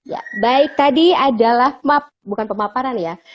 ya baik tadi adalah map bukan pemaparan ya